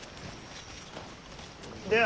では。